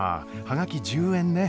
はがき１０円ね。